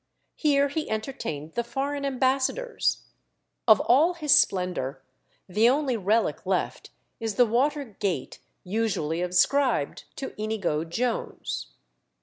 Here he entertained the foreign ambassadors. Of all his splendour, the only relic left is the water gate usually ascribed to Inigo Jones.